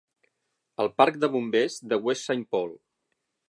El parc de bombers de West Saint Paul.